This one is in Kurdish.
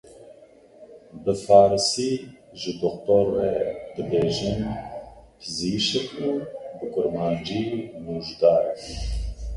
Bi Farsî ji doktor re, dibêjin Pizîşik û bi kurmancî Nûjdar e.